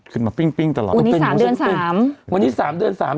ขึ้นมาปิ้งปิ้งตลอดวันนี้สามเดือนสามวันนี้สามเดือนสาม